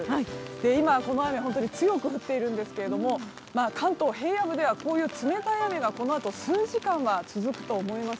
今、この雨強く降っているんですけれども関東平野部ではこういう冷たい雨がこのあと数時間は続くと思います。